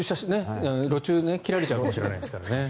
路駐切られちゃうかもしれないですからね。